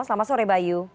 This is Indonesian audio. selamat sore bayu